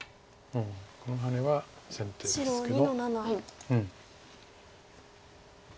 このハネは先手ですけど。